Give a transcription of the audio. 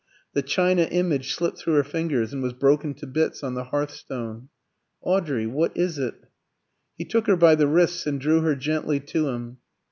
The china image slipped through her fingers, and was broken to bits on the hearthstone. "Audrey what is it?" He took her by the wrists and drew her gently to him.